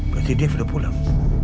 berarti dev udah pulang